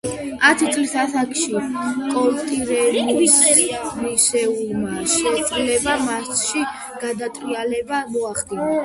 ათი წლის ასაკში კოლტრეინისეულმა შესრულებამ მასში გადატრიალება მოახდინა.